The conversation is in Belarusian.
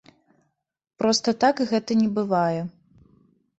Проста так гэта не бывае.